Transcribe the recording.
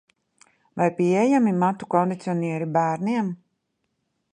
Vai pieejami matu kondicionieri bērniem?